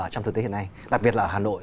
trong thực tế hiện nay đặc biệt là ở hà nội